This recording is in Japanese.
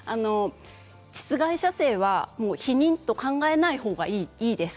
ちつ外射精は避妊と考えないほうがいいです。